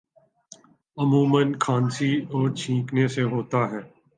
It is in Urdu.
عموماً کھانسی اور چھینکنے سے ہوتا ہے